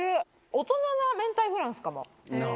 大人なめんたいフランスかも。